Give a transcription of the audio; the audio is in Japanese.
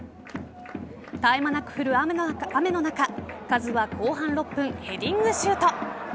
絶え間なく降る雨の中カズは後半６分ヘディングシュート。